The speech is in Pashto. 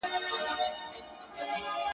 زما څه ليري له ما پاته سول خواږه ملګري،